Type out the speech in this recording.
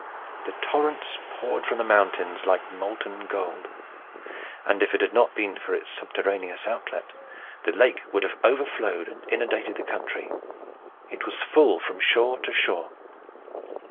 The torrents poured from the mountains like molten gold; and if it had not been for its subterraneous outlet, the lake would have overflowed and inundated the country. It was full from shore to shore.